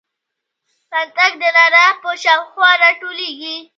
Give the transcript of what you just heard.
پتنګ د رڼا په شاوخوا راټولیږي